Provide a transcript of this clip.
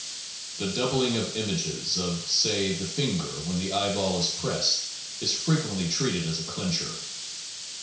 The doubling of images of, say, the finger when the eyeball is pressed is frequently treated as a clincher.